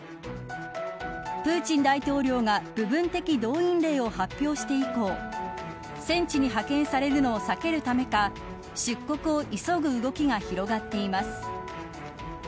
プーチン大統領が部分的動員令を発表して以降戦地に派遣されるのを避けるためか出国を急ぐ動きが広がっています。